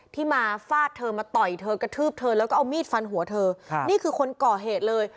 ที่มาฟาดเธอมาต่อยเธอกระทืบเธอแล้วก็เอามีดฟันหัวเธอครับนี่คือคนก่อเหตุเลย